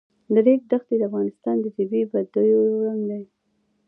د ریګ دښتې د افغانستان د طبیعي پدیدو یو رنګ دی.